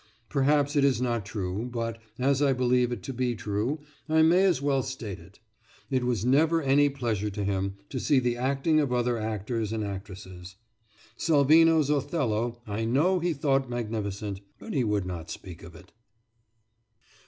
Perhaps it is not true, but, as I believe it to be true, I may as well state it: It was never any pleasure to him to see the acting of other actors and actresses. Salvini's Othello I know he thought magnificent, but he would not speak of it.